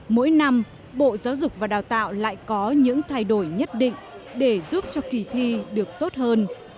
mỗi năm bộ giáo dục và đào tạo lại có những thay đổi nhất định để giúp cho kỳ thi được tốt hơn